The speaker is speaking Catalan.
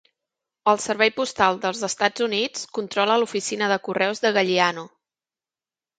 El servei postal dels Estats Units controla l'oficina de correus de Galliano.